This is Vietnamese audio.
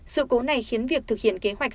sự cố này khiến việc thực hiện kế hoạch